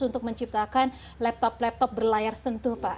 untuk menciptakan laptop laptop berlayar sentuh pak